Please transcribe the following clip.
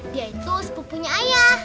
dia itu sepupunya ayah